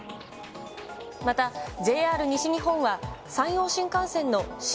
またＪＲ西日本は、山陽新幹線の新